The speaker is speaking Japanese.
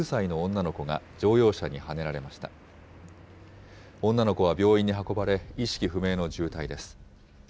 女の子は病院に運ばれ、意識不明の重体です。